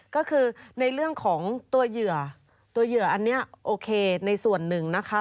ก็คือในเรื่องของตัวเหยื่อตัวเหยื่ออันนี้โอเคในส่วนหนึ่งนะคะ